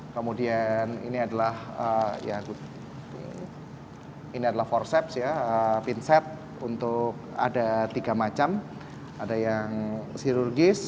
kemudian ini adalah ya ini adalah forceps ya pinset untuk ada tiga macam ada yang sirologis